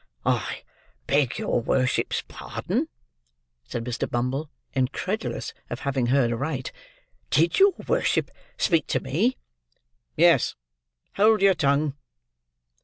"I beg your worship's pardon," said Mr. Bumble, incredulous of having heard aright. "Did your worship speak to me?" "Yes. Hold your tongue."